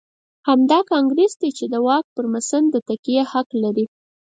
همدا کانګرېس دی چې د واک پر مسند د تکیې حق لري.